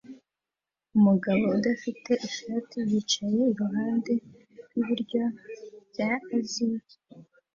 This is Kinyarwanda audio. Umugabo udafite ishati yicaye iruhande rwibiryo bya Aziya